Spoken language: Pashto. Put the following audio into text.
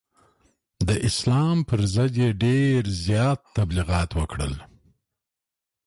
د اسلام پر ضد یې ډېر زیات تبلغیات وکړل.